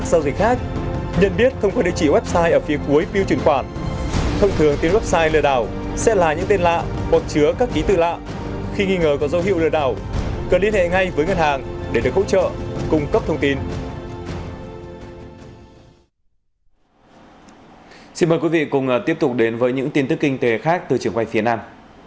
xin mời quý vị cùng tiếp tục đến với những tin tức kinh tế khác từ trường quay phía nam